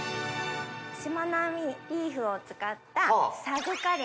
しまなみリーフを使った。